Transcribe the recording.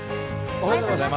おはようございます。